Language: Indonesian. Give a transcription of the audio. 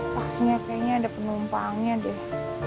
vaksinnya kayaknya ada penumpangnya deh